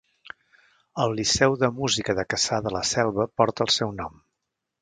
El Liceu de música de Cassà de la Selva porta el seu nom.